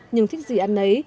nhưng thích gì ăn ấy